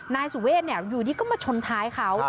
นายสุเวทอยู่ดีก็มาชนท้ายเขา